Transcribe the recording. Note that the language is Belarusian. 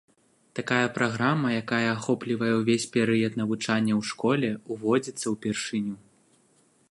Такая праграма, якая ахоплівае ўвесь перыяд навучання ў школе, уводзіцца ўпершыню.